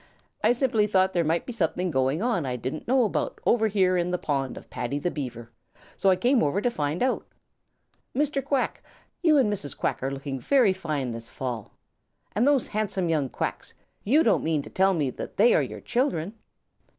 "I simply thought there might be something going on I didn't know about over here in the pond of Paddy the Beaver, so I came over to find out. Mr. Quack, you and Mrs. Quack are looking very fine this fall. And those handsome young Quacks, you don't mean to tell me that they are your children!"